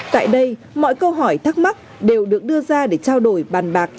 tại đây mọi câu hỏi thắc mắc đều được đưa ra để trao đổi bàn bạc